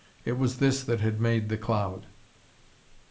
It was this that had made the cloud.